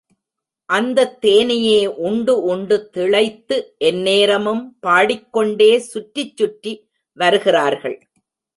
அந்தத் தேனையே உண்டு உண்டு திளைத்து எந்நேரமும் பாடிக்கொண்டே சுற்றிச் சுற்றி வருகிறார்கள்.